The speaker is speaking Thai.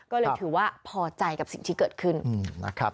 ก็เลยถือว่าพอใจกับสิ่งที่เกิดขึ้นนะครับ